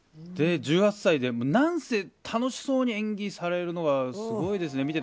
１８歳でなんせ、楽しそうに演技されるのがすごいですね。